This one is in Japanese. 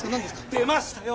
出ましたよ